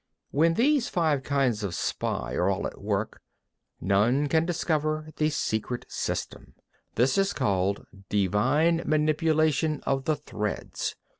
8. When these five kinds of spy are all at work, none can discover the secret system. This is called "divine manipulation of the threads."